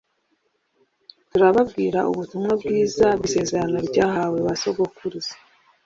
turababwira ubutumwa bwiza bw isezerano ryahawe ba sogokuruza